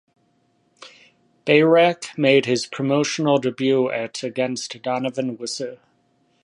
Bayrak made his promotional debut at against Donovan Wisse.